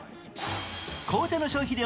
紅茶の消費量